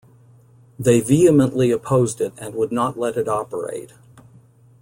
They vehemently opposed it and would not let it operate.